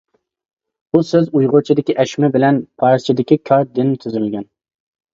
بۇ سۆز ئۇيغۇرچىدىكى «ئەشمە» بىلەن پارسچىدىكى «كار» دىن تۈزۈلگەن.